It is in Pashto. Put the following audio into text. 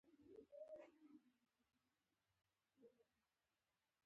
په اعتدال سره خوږې خوړل مهم دي.